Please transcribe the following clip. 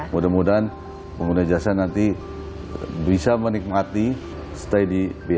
mudah mudahan pengguna jasa nanti bisa menikmati stay di biaya